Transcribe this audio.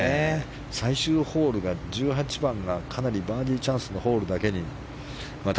最終ホール、１８番がかなりバーディーチャンスのホールだけに。